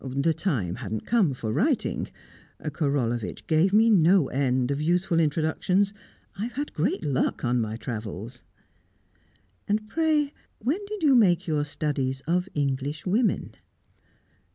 "The time hadn't come for writing. Korolevitch gave me no end of useful introductions. I've had great luck on my travels." "Pray, when did you make your studies of English women?"